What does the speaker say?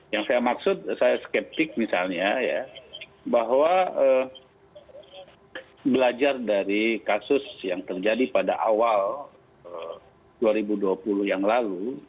yang saya maksud saya skeptik misalnya ya bahwa belajar dari kasus yang terjadi pada awal dua ribu dua puluh yang lalu